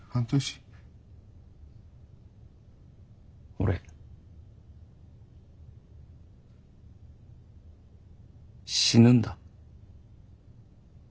俺死ぬんだ。